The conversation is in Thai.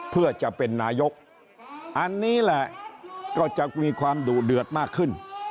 เพื่อจะเป็นนายกอันนี้แหละก็จะมีความดุเดือดมากขึ้น